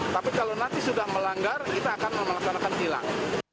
tapi kalau nanti sudah melanggar kita akan melaksanakan hilang